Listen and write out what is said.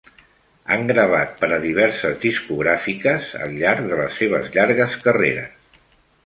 Han gravat per a diverses discogràfiques al llarg de les seves llargues carreres.